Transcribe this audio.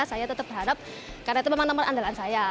saya tetap berharap karena itu memang nomor andalan saya